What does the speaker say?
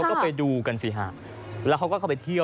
โอ้โห